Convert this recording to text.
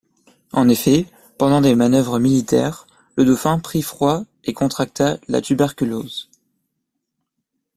En effet, pendant des manœuvres militaires, le dauphin prit froid et contracta la tuberculose.